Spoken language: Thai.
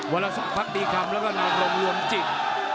วันละ๒พักดีคำแล้วก็นอกลงรวมจิต